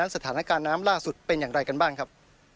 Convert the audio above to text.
สถานการณ์น้ำล่าสุดเป็นอย่างไรกันบ้างครับ